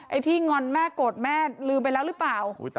ไอ้ที่งอนแม่โกรธแม่ลืมไปแล้วหรือเปล่า